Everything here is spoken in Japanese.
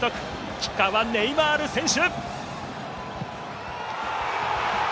キッカーはネイマール選手。